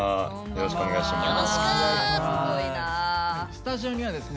よろしくお願いします。